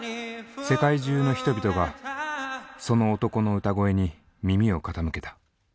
世界中の人々がその男の歌声に耳を傾けた。